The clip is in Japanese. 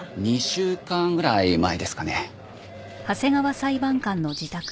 ２週間ぐらい前ですかね。